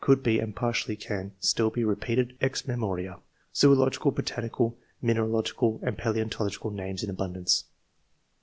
could be, and partly can [still] be, repeated ex memorid ; zoological, botanical, mineralogical and paleontological names in abundance."